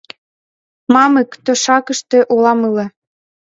Мамык тӧшакыште улам ыле.